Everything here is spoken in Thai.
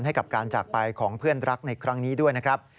ให้กับการจากไปของเพื่อนรักในครั้งนี้ด้วยนะครับ